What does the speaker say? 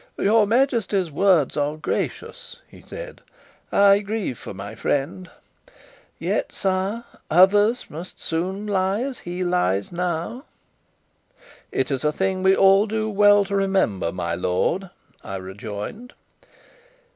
"Your Majesty's words are gracious," he said. "I grieve for my friend. Yet, sire, others must soon lie as he lies now." "It is a thing we all do well to remember, my lord," I rejoined.